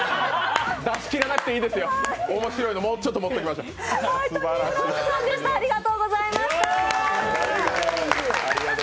出し切らなくていいですよ、面白いのもうちょっともっときましょう。